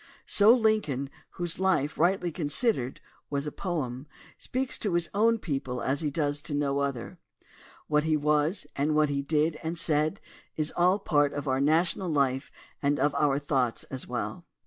So Lincoln, whose life, rightly considered, was a poem, speaks to his own people as he does to no other. What he was, and what he did and said, is all part of our national life and of our thoughts as well.